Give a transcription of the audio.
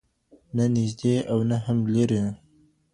نه نیژدې او نه هم لیري